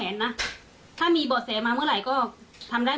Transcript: แม่ยังคงมั่นใจและก็มีความหวังในการทำงานของเจ้าหน้าที่ตำรวจค่ะ